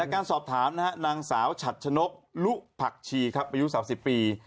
การสอบถามนะฮะนางสาวฉัดชนกลุผักชีครับอายุ๓๐ปี